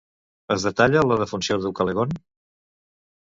Es detalla la defunció d'Ucalegont?